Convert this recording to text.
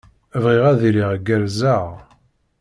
Bɣiɣ ad iliɣ gerrzeɣ.